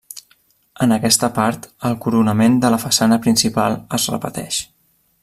En aquesta part, el coronament de la façana principal es repeteix.